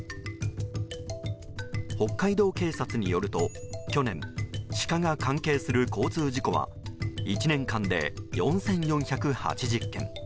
北海道警察によると去年、シカが関係する交通事故は１年間で４４８０件。